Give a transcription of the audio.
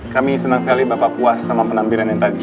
kami senang sekali bapak puas sama penampilan yang tadi